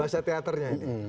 bahasa teaternya ini